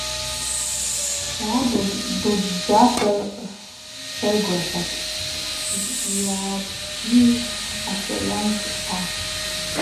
Швабыж дудздзата сайгвыргъьатӏ йгӏабщтийыз асальамшвъа.